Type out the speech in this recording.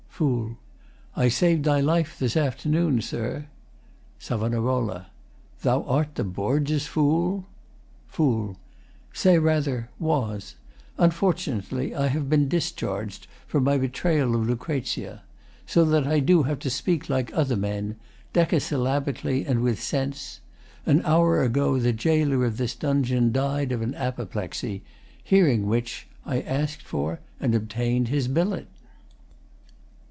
FOOL I saved thy life this afternoon, Sir. SAV. Thou art the Borgias' Fool? FOOL Say rather, was. Unfortunately I have been discharg'd For my betrayal of Lucrezia, So that I have to speak like other men Decasyllabically, and with sense. An hour ago the gaoler of this dungeon Died of an apoplexy. Hearing which, I ask'd for and obtain'd his billet.